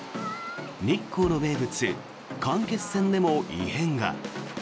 日光の名物、間欠泉でも異変が。